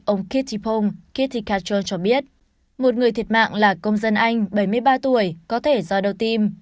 ông kitty pong cho biết một người thiệt mạng là công dân anh bảy mươi ba tuổi có thể do đau tim